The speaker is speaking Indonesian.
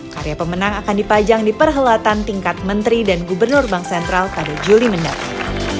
karya pemenang akan dipajang di perhelatan tingkat menteri dan gubernur bank sentral pada juli mendatang